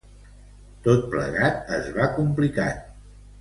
Tot plegat es va complicant.